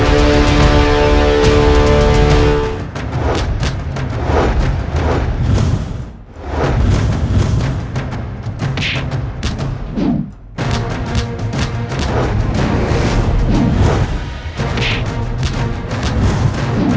tidak ini tidak mungkin terjadi